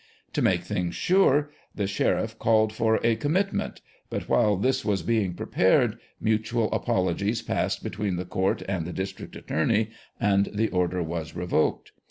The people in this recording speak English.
To make things sure, the sheriff called for a commit ment; but while this was being prepared mutual apologies passed between the court and the district attorney, and the order was revoked.